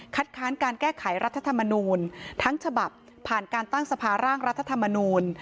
ค้านการแก้ไขรัฐธรรมนูลทั้งฉบับผ่านการตั้งสภาร่างรัฐธรรมนูล